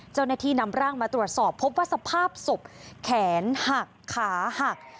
เจ้าหน้าที่นำร่างมาตรวจสอบพบว่าสภาพศพแขนหักขาหัก